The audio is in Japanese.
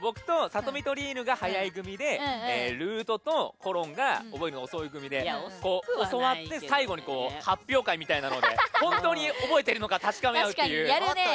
僕と、さとみと莉犬が早い組でるぅとと、ころんが覚えるのが遅い組で教わって最後に発表会みたいなので本当に覚えてるのか確かめようっていう。